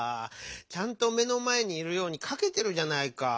ちゃんと目のまえにいるようにかけてるじゃないかぁ。